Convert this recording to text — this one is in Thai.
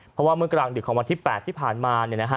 เพราะว่าเมื่อกลางดึกของวันที่๘ที่ผ่านมา